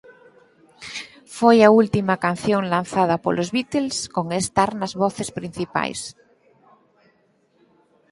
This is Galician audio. Foi a última canción lanzada polos Beatles con Starr nas voces principais.